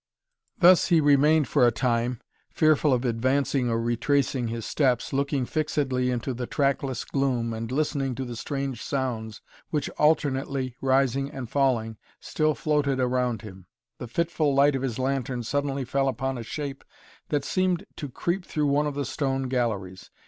Thus he remained for a time, fearful of advancing or retracing his steps, looking fixedly into the trackless gloom and listening to the strange sounds which, alternately rising and falling, still floated around him. The fitful light of his lantern suddenly fell upon a shape that seemed to creep through one of the stone galleries.